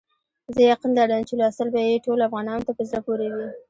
زه یقین لرم چې لوستل به یې ټولو افغانانو ته په زړه پوري وي.